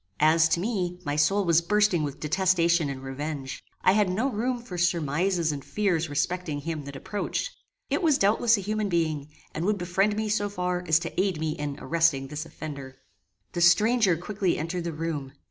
As to me, my soul was bursting with detestation and revenge. I had no room for surmises and fears respecting him that approached. It was doubtless a human being, and would befriend me so far as to aid me in arresting this offender. The stranger quickly entered the room.